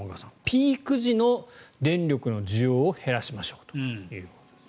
ピーク時の電力の需要を減らしましょうと。